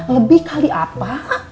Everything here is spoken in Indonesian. lebih kali apa